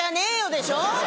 でしょ！